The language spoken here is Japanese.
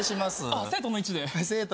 あっ生徒の位置で。